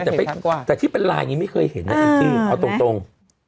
แต่ที่เป็นลายอย่างนี้ไม่เคยเห็นนะเอาตรง